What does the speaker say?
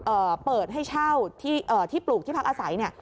เอ่อเปิดให้เช่าที่เอ่อที่ปลูกที่พักอาศัยเนี่ย